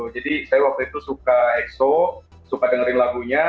jadi saya waktu itu suka exo suka dengerin lagunya